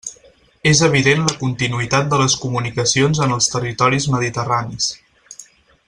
És evident la continuïtat de les comunicacions en els territoris mediterranis.